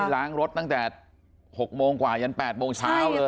ล้างรถตั้งแต่๖โมงกว่ายัน๘โมงเช้าเลย